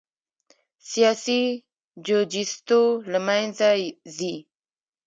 سیاسي جوجیتسو له منځه ځي.